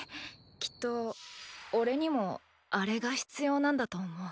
きっとおれにもあれが必要なんだと思う。